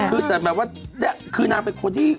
คือแต่แบบว่าคือนางเป็นคนที่